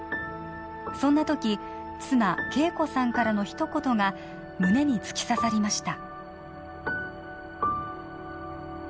そんな時妻・恵子さんからの一言が胸に突き刺さりました